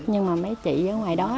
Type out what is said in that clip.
nhưng mà mấy chị ở ngoài đó